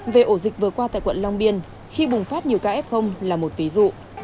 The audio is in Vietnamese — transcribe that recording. về ổ dịch vừa qua tại quận long biên khi bùng phát nhiều kf là một ví dụ